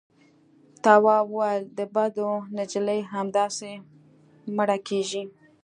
تواب وويل: د بدو نجلۍ همداسې مړه کېږي.